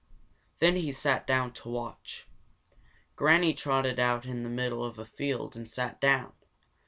Then he sat down to watch. Granny trotted out in the middle of a field and sat down.